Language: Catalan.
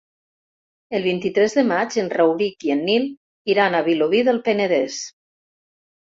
El vint-i-tres de maig en Rauric i en Nil iran a Vilobí del Penedès.